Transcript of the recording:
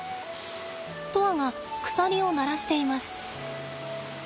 砥愛が鎖を鳴らしています。